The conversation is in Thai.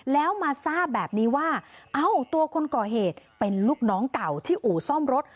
แล้วมาทราบแบบนี้ว่าเอ้าตัวคนก่อเหตุเป็นลูกน้องเก่าที่อู่ซ่อมรถ